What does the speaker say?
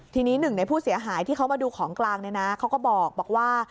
ทีนี้หนึ่งในผู้เสียหายที่เขามาดูของกลางเนี่ยนะเขาก็บอกว่า